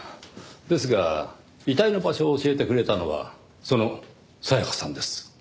ですが遺体の場所を教えてくれたのはその沙耶香さんです。